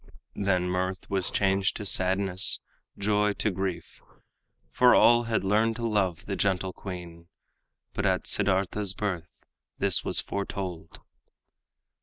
Then mirth was changed to sadness, joy to grief, For all had learned to love the gentle queen But at Siddartha's birth this was foretold.